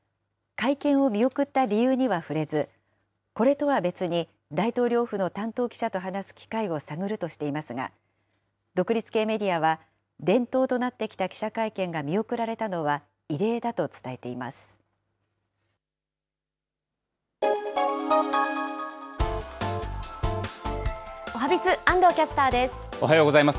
会見を見送った理由には触れず、これとは別に大統領府の担当記者と話す機会を探るとしていますが、独立系メディアは、伝統となってきた記者会見が見送られたのは異例だと伝えています。